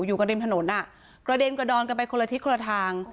อยู่กันริมถนนอ่ะกระเด็นกระดอนกันไปคนละทิศคนละทาง